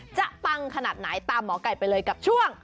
ปังขนาดไหนตามหมอไก่ไปเลยกับช่วง